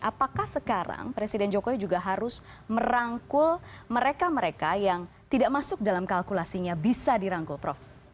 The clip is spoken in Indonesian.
apakah sekarang presiden jokowi juga harus merangkul mereka mereka yang tidak masuk dalam kalkulasinya bisa dirangkul prof